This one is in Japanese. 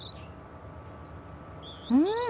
うん！